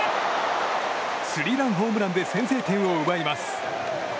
スリーランホームランで先制点を奪います。